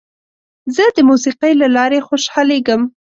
زه د موسیقۍ له لارې خوشحالېږم.